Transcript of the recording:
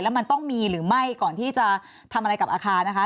มันต้องมีหรือไม่ก่อนที่จะทำอะไรกับอาคารนะคะ